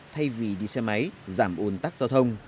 thay vì đi xe máy giảm ồn tắc giao thông